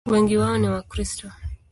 Wengi wao ni Wakristo.